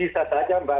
bisa saja mbak